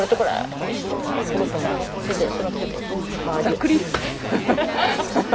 ざっくり。